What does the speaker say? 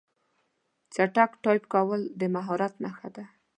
چټک ټایپ کول د مهارت نښه ده.